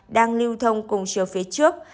đang lưu thông cùng chiều phía trước